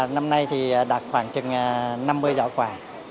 năm nay thì đạt khoảng chừng năm mươi giỏ quà